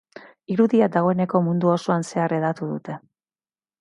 Irudia dagoeneko mundu osoan zehar hedatu dute.